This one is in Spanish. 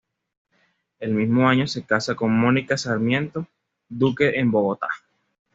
El mismo año se casa con Mónica Sarmiento Duque en Bogotá.